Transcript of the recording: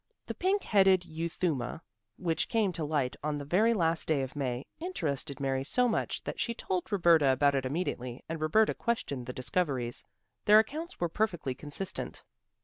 The pink headed euthuma, which came to light on the very last day of May, interested Mary so much that she told Roberta about it immediately and Roberta questioned the discoverers. Their accounts were perfectly consistent.